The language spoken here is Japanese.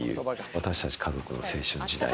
私たち家族の青春時代。